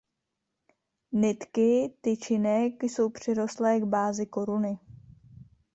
Nitky tyčinek jsou přirostlé k bázi koruny.